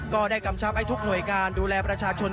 เพิ่มช้าไปทุกหน่วยการดูแลประชาชน